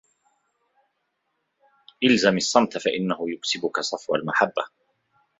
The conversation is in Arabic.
الْزَمْ الصَّمْتَ فَإِنَّهُ يُكْسِبُك صَفْوَ الْمَحَبَّةِ